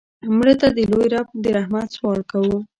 مړه ته د لوی رب د رحمت سوال کوو